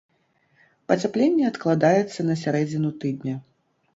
Пацяпленне адкладаецца на сярэдзіну тыдня.